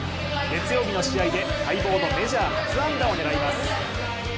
月曜日の試合で待望のメジャー初安打を狙います。